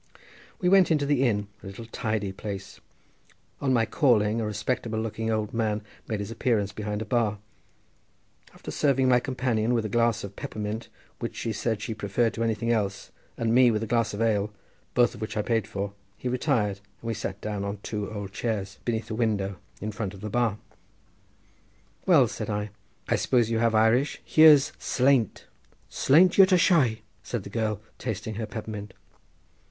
We went into the inn—a little tidy place. On my calling a respectable looking old man made his appearance behind a bar. After serving my companion with a glass of peppermint, which she said she preferred to anything else, and me with a glass of ale, both of which I paid for, he retired, and we sat down on two old chairs beneath a window in front of the bar. "Well," said I, "I suppose you have Irish: here's slainte—" "Slainte yuit a shaoi," said the girl, tasting her peppermint.